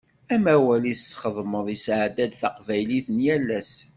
Amawal i tesxedmeḍ yetɛedda d taqbaylit n yal ass.